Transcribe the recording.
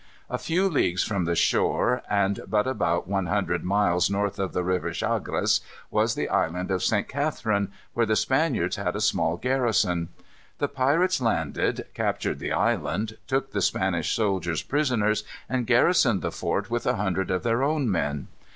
A few leagues from the shore, and but about one hundred miles north of the river Chagres, was the Island of St. Catharine, where the Spaniards had a small garrison. The pirates landed, captured the island, took the Spanish soldiers prisoners, and garrisoned the fort with a hundred of their own men.